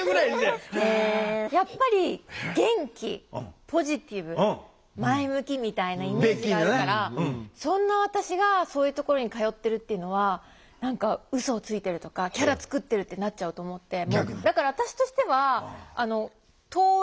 やっぱり元気ポジティブ前向きみたいなイメージがあるからそんな私がそういうところに通ってるっていうのは何かうそをついてるとかキャラ作ってるってなっちゃうと思って。